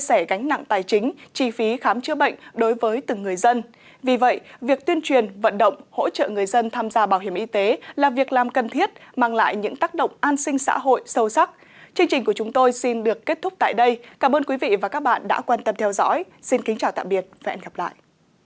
xin kính chào tạm biệt và hẹn gặp lại